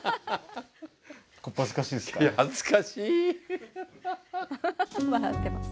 小っ恥ずかしいですか？